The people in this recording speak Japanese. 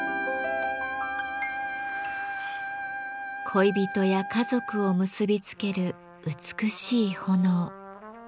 恋人や家族を結び付ける美しい炎。